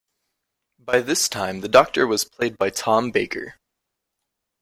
By this time the Doctor was played by Tom Baker.